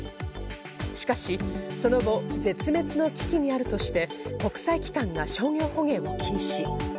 しかしその後、絶滅の危機にあるとして国際機関が商用捕鯨を禁止。